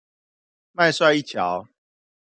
麥帥一橋